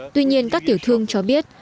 tuy nhiên các tiểu thương cho biết